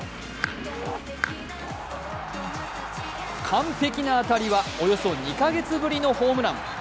完璧な当たりはおよそ２か月ぶりのホームラン。